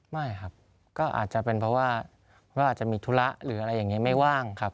ไม่ครับก็อาจจะเป็นเพราะว่าอาจจะมีธุระหรืออะไรอย่างนี้ไม่ว่างครับ